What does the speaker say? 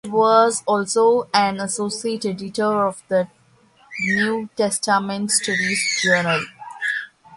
She was also an associate editor of the "New Testament Studies" journal.